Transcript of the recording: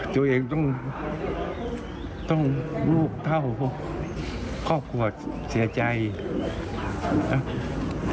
ตัวเองต้องลูกเท่าครอบครัวเสียใจนะครับ